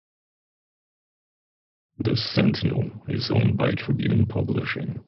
The "Sentinel" is owned by Tribune Publishing.